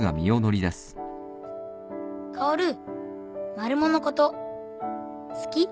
薫マルモのこと好き？